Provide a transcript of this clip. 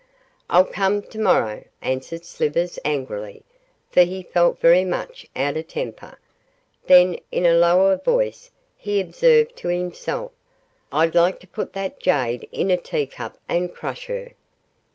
'I'll come to morrow,' answered Slivers, angrily, for he felt very much out of temper; then, in a lower voice, he observed to himself, 'I'd like to put that jade in a teacup and crush her.